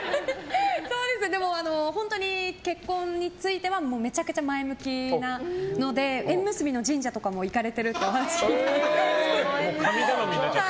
でも、本当に結婚についてはめちゃくちゃ前向きなので縁結びの神社とかにも行かれてると神頼みになっちゃった。